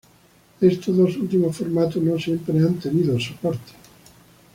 Estos dos últimos formatos no siempre han tenido soporte.